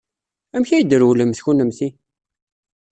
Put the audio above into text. Amek ay d-trewlemt kennemti?